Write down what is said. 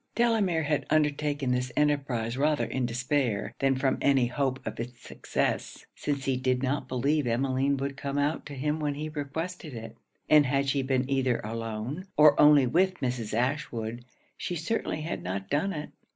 Delamere had undertaken this enterprize rather in despair, than from any hope of it's success, since he did not believe Emmeline would come out to him when he requested it; and had she been either alone, or only with Mrs. Ashwood, she certainly had not done it.